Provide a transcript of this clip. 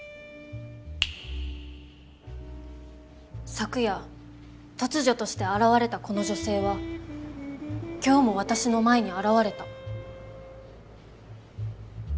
昨夜突如として現れたこの女性は今日も私の前に現れた。